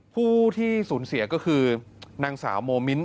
ผู้ที่สูญเสียก็คือนางสาวโมมิ้นท